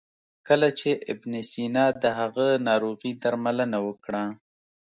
کله چې ابن سینا د هغه ناروغي درملنه وکړه.